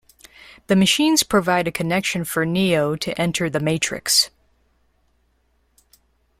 The Machines provide a connection for Neo to enter the Matrix.